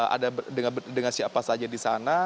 ada dengan siapa saja di sana